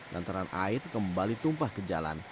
lantaran air kembali tumpah ke jalan